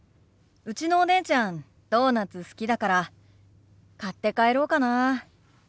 うちのお姉ちゃんドーナツ好きだから買って帰ろうかな。